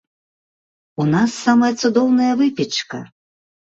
У нас самая цудоўная выпечка!